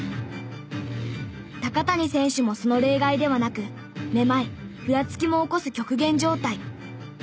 高谷選手もその例外ではなくめまいふらつきも起こす極限状態。